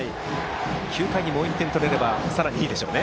９回にもう１点取れればさらにいいでしょうね。